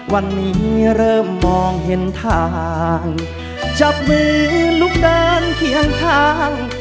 วันนี้เริ่มมองเห็นทางจับมือลุกเดินเคียงข้าง